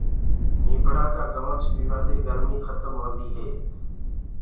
نيبڙآ گنوُچ پيوآ دي گرمي کتم هوندي هي۔